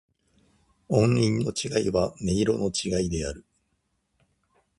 音韻の違いは、音色の違いである。